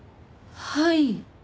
はい。